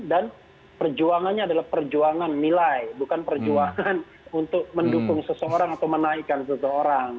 dan perjuangannya adalah perjuangan nilai bukan perjuangan untuk mendukung seseorang atau menaikkan seseorang